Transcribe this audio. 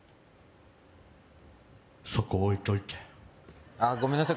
そこ置いといてごめんなさい